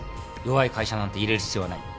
弱い会社なんて入れる必要はない。